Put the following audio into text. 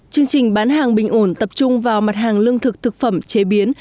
chương trình bán hàng bình ổn tập trung vào mặt hàng lương thực thực phẩm chế biến